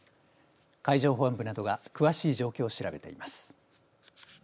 海上保安部などが詳しい状況を調べています。